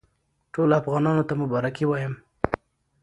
ټولو افغانانو ته مبارکي وایم.